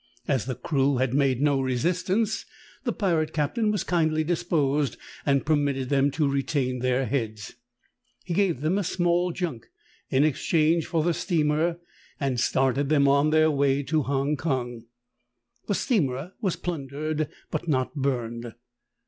As the crew had made no resistance the pirate captain was kindly disposed and permitted them to retain their heads. He gave them a small junk in exchange for the steamer and started them on their way to Hong Kong. The steamer was plundered, but not burned.